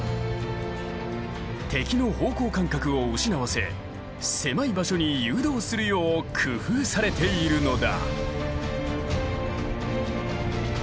敵の方向感覚を失わせ狭い場所に誘導するよう工夫されているのだ。